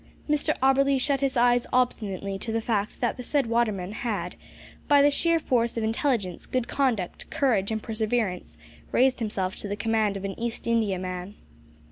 Mr Auberly shut his eyes obstinately to the fact that the said waterman had, by the sheer force of intelligence, good conduct, courage, and perseverance, raised himself to the command of an East Indiaman.